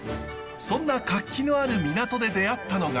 そんな活気のある港で出会ったのが。